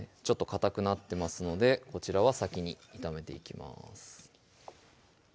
かたくなってますのでこちらは先に炒めていきます